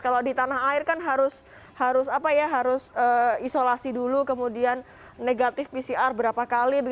kalau di tanah air kan harus isolasi dulu kemudian negatif pcr berapa kali